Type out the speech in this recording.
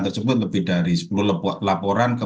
tersebut lebih dari sepuluh laporan ke